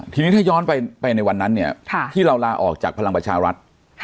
ทีนี้ถ้าย้อนไปในวันนั้นเนี่ยที่เราลาออกจากพลังประชารัฐ